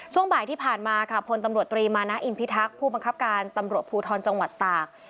ช่วงบ่ายที่ผ่านมาค่ะพลตำรวจตรีมานะอินพิทักษ์ผู้บังคับการตำรวจภูทรจังหวัดตาก